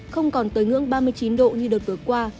không còn tới ngưỡng ba mươi chín độ như đợt vừa qua